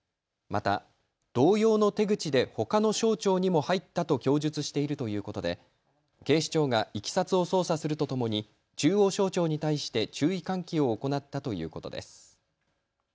また同様の手口でほかの省庁にも入ったと供述しているということで警視庁がいきさつを捜査するとともに中央省庁に対して注意喚起を行ったということです。